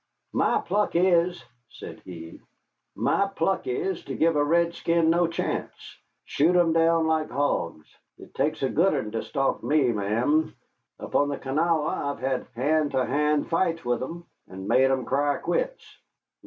"My pluck is," said he, "my pluck is to give a redskin no chance. Shoot 'em down like hogs. It takes a good un to stalk me, Ma'am. Up on the Kanawha I've had hand to hand fights with 'em, and made 'em cry quits."